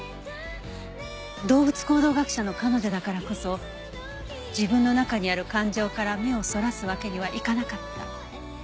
動物行動学者の彼女だからこそ自分の中にある感情から目をそらすわけにはいかなかった。